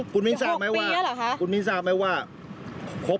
คุณวินทร์ทราบไหมว่าคุณวินทราบไหมว่าอีก๖ปีแล้วหรือครับ